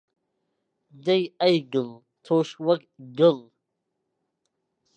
دەی ئەی گڵ، تۆش وەکو گڵ